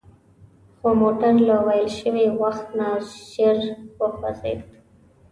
خو موټر له ویل شوي وخت نه ژر وخوځید.